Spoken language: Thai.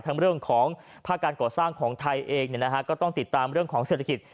เรื่องของภาคการก่อสร้างของไทยเองก็ต้องติดตามเรื่องของเศรษฐกิจ